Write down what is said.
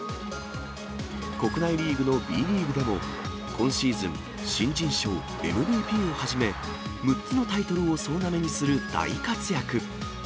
国内リーグのＢリーグでも今シーズン、新人賞、ＭＶＰをはじめ、６つのタイトルを総なめにする大活躍。